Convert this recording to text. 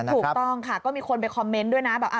ถูกต้องค่ะก็มีคนไปคอมเมนต์ด้วยนะแบบ